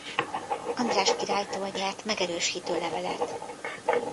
András királytól nyert megerősítő levelet.